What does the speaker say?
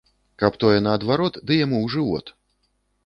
Каб тое наадварот ды яму ў жывот.